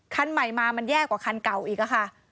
คันใหม่มามันแย่กว่าคันเก่าอีกค่ะ